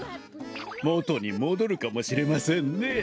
もとにもどるかもしれませんね！